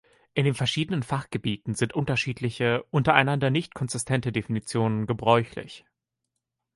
In den verschiedenen Fachgebieten sind unterschiedliche, untereinander nicht konsistente Definitionen gebräuchlich.